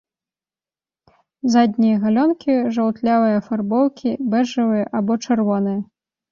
Заднія галёнкі жаўтлявай афарбоўкі, бэжавыя або чырвоныя.